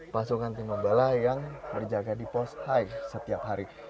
pasukan tinombala yang berjaga di pos high setiap hari